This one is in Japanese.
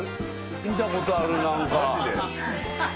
見たことある何か。